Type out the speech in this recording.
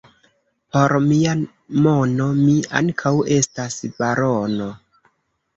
Por mia mono mi ankaŭ estas barono.